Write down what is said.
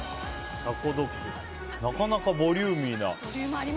なかなかボリューミーな。